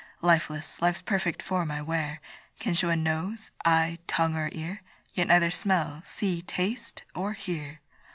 Lifeless, life's perfect form I wear, Can show a nose, eye, tongue, or ear, Yet neither smell, see, taste, or hear.